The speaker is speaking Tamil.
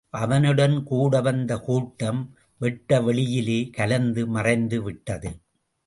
அவனுடன் கூட வந்த கூட்டம் வெட்ட வெளியிலே கலந்து மறைந்துவிட்டது.